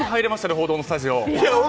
報道のスタジオ。